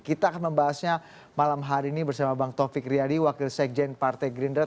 kita akan membahasnya malam hari ini bersama bang taufik riyadi wakil sekjen partai gerindra